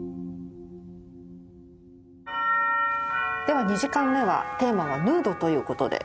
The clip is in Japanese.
では二時間目はテーマはヌードということで。